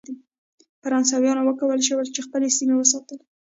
فرانسویانو وکولای شول چې خپلې سیمې وساتي.